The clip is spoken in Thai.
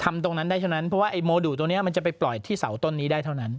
ตรงนั้นได้เท่านั้นเพราะว่าไอ้โมดุตัวนี้มันจะไปปล่อยที่เสาต้นนี้ได้เท่านั้น